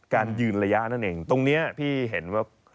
การยืนระยะนั่นเองตรงนี้พี่เห็นว่า